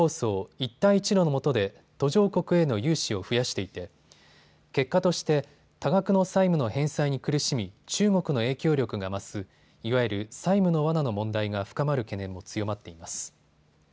一帯一路のもとで途上国への融資を増やしていて結果として多額の債務の返済に苦しみ、中国の影響力が増すいわゆる債務のわなの問題が深まる懸念も強まっています。